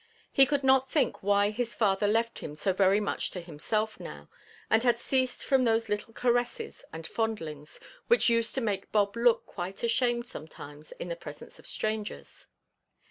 He could not think why his father left him so very much to himself now, and had ceased from those little caresses and fondlings, which used to make Bob look quite ashamed sometimes in the presence of strangers.